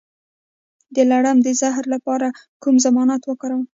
د لړم د زهر لپاره کوم ضماد وکاروم؟